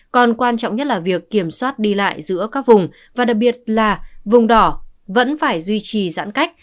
còn quan trọng nhất là việc kiểm soát đi lại giữa các vùng và đặc biệt là vùng đỏ vẫn phải duy trì giãn cách